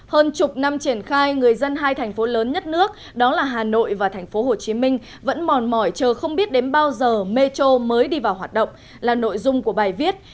hơn chục năm triển khai người dân hai thành phố lớn nhất nước đó là hà nội và tp hcm vẫn mòn mỏi chờ không biết đến bao giờ metro mới đi vào hoạt động là nội dung của bài viết